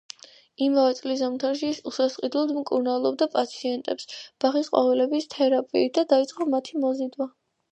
იმავე წლის ზამთარში ის უსასყიდლოდ მკურნალობდა პაციენტებს ბახის ყვავილების თერაპიით და დაიწყო მათი მოზიდვა.